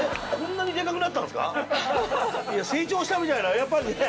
成長したみたいなやっぱりね。